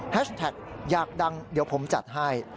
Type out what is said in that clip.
แท็กอยากดังเดี๋ยวผมจัดให้